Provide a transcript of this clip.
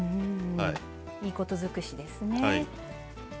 いいこと尽くしですね。